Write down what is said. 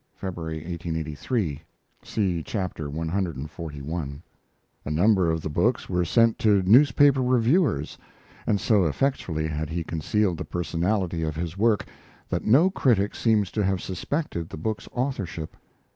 (February, 1883). See chap. cxli.] A number of the books were sent to newspaper reviewers, and so effectually had he concealed the personality of his work that no critic seems to have suspected the book's authorship.